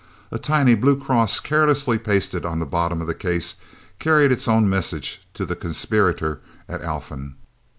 A tiny blue cross carelessly pasted on the bottom of the case carried its own message to the conspirator at Alphen.